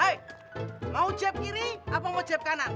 hai mau jab kiri apa mau jab kanan